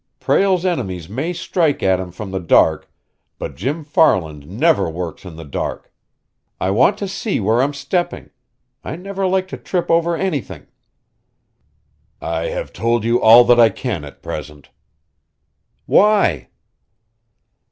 Prale's enemies may strike at him from the dark, but Jim Farland never works in the dark! I want to see where I'm stepping. I never like to trip over anything." "I have told you all that I can at present." "Why?"